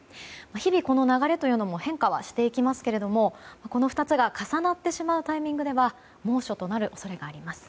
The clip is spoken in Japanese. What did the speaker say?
日々この流れというのも変化していきますがこの２つが重なってしまうタイミングでは猛暑となる恐れがあります。